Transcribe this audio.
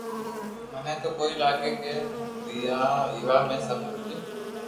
مني تو ڪوئي لاگي ڪو ويووا ۾ سب ڪجھ